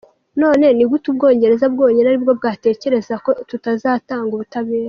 None ni gute u Bwongereza bwonyine aribwo bwatekereza ko tutazatanga ubutabera?”.